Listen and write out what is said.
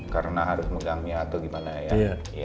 karena harus megangnya atau gimana ya